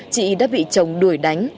chị đã bị chồng đuổi đánh